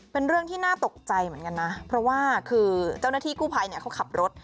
เป็นเรื่องที่น่าตกใจเหมือนกันนะเพราะว่าคือเจ้าหน้าที่กู้ภัยเนี่ยเขาขับรถ